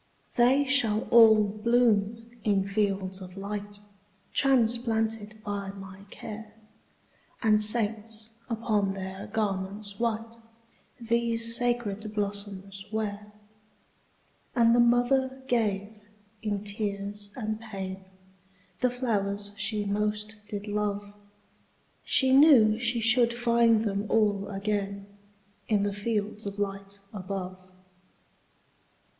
``They shall all bloom in fields of light, Transplanted by my care, And saints, upon their garments white, These sacred blossoms wear.'' And the mother gave, in tears and pain, The flowers she most did love; She knew she should find them all again In the fields of light above.